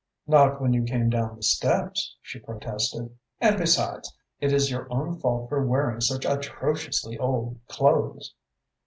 "Not when you came down the steps," she protested, "and besides, it is your own fault for wearing such atrociously old clothes."